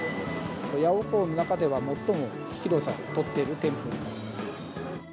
ヤオコーの中では最も広さを取っている店舗になります。